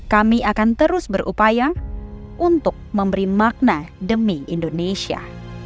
kami akan terus berupaya untuk memberi makna demi indonesia